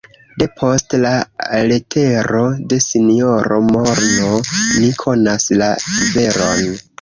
Depost la letero de sinjoro Morno ni konas la veron.